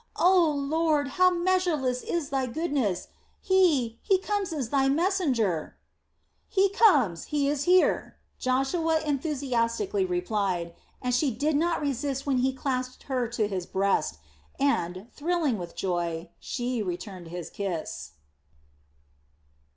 Oh Lord, how measureless is thy goodness! He, he comes as Thy messenger." "He comes, he is here!" Joshua enthusiastically replied, and she did not resist when he clasped her to his breast and, thrilling with joy, she returned his kiss.